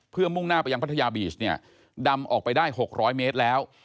เพื่อมุ่งหน้าไปยังพัทยาบีชเนี่ยดำออกไปได้๖๐๐เมตรแล้ว